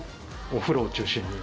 お風呂を中心に。